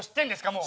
もう。